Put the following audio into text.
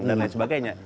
dan lain sebagainya